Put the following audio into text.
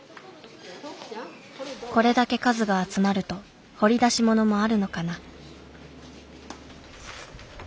これだけ数が集まると掘り出し物もあるのかな。